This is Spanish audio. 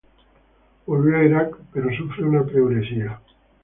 Volvió a Irak, pero sufre una pleuresía.